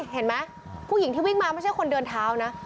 เห็นไหมผู้หญิงที่วิ่งมาไม่ใช่คนเดินเท้านะ